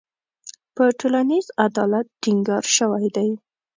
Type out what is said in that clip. په ټولنیز عدالت ټینګار شوی دی.